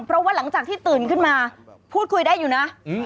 เพราะว่าหลังจากที่ตื่นขึ้นมาพูดคุยได้อยู่นะ